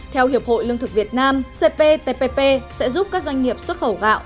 theo hiệp hội lương thực việt nam cptpp sẽ giúp các doanh nghiệp xuất khẩu gạo